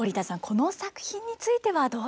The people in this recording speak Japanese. この作品についてはどうですか？